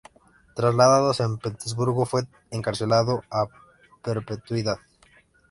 Trasladado a San Petersburgo, fue encarcelado a perpetuidad.